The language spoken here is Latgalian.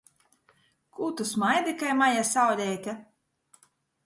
Kū tu smaidi kai maja sauleite?